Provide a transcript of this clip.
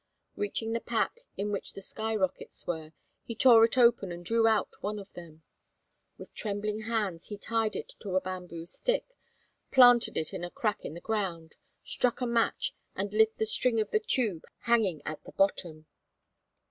Reaching the pack in which the sky rockets were, he tore it open and drew out one of them. With trembling hands he tied it to a bamboo stick, planted it in a crack in the ground, struck a match and lit the string of the tube hanging at the bottom.